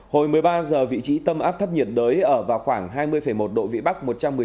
hồi một mươi ba h vị trí tâm áp thấp nhiệt đới ở vào khoảng hai mươi một độ vĩ bắc